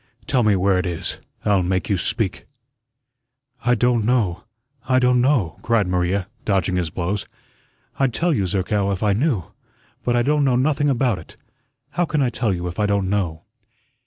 Tell me where it is; I'll make you speak." "I don' know, I don' know," cried Maria, dodging his blows. "I'd tell you, Zerkow, if I knew; but I don' know nothing about it. How can I tell you if I don' know?"